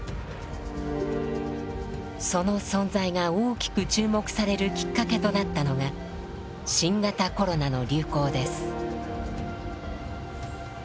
その存在が大きく注目されるきっかけとなったのが新型コロナの流行です。